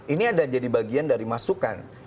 ini ada jadi bagian dari masukan